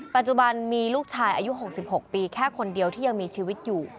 ปัจจุบันมีลูกชายอายุ๖๖ปีแค่คนเดียวที่ยังมีชีวิตอยู่